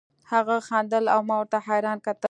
هغه خندل او ما ورته حيران کتل.